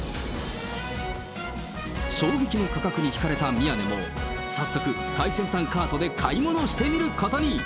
衝撃の価格に引かれた宮根も早速、最先端カートで買い物してみることに。